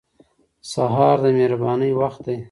سهار د مهربانۍ وخت دی.